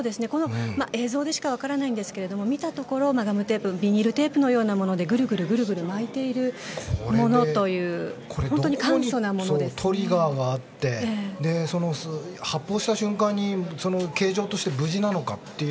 映像でしか分からないんですが見たところビニールテープのようなものでぐるぐる巻いているものというトリガーがあって発砲した瞬間に形状として無事なのか。